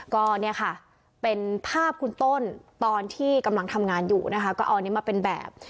ก็เนี่ยค่ะเป็นภาพคุณต้นตอนที่กำลังทำงานอยู่นะคะก็เอาอันนี้มาเป็นแบบ